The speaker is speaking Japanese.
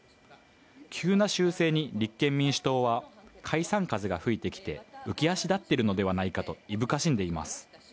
急な修正に立憲民主党は解散風が吹いてきて、浮き足立っているのではないかといぶかしんでいます。